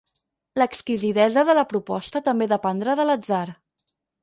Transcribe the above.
L'exquisidesa de la proposta també dependrà de l'atzar.